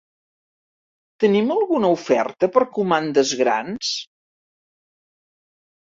Tenim alguna oferta per comandes grans?